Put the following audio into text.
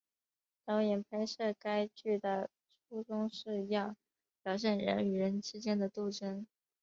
导演拍摄该剧的初衷是要表现人与人之间的斗争。